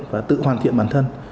và tự hoàn thiện bản thân